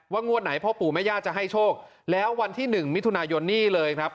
งวดไหนพ่อปู่แม่ย่าจะให้โชคแล้ววันที่๑มิถุนายนนี่เลยครับ